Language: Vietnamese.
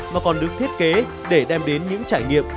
mà còn được thiết kế để đem đến những trải nghiệm